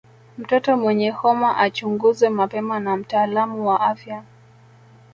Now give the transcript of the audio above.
Mtoto mwenye homa achunguzwe mapema na mtaalamu wa afya